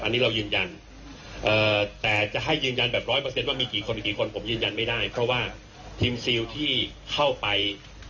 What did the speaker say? อันนี้เรายืนยันแต่จะให้ยืนยันแบบร้อยเปอร์เซ็นว่ามีกี่คนกี่คนผมยืนยันไม่ได้เพราะว่าทีมซิลที่เข้าไป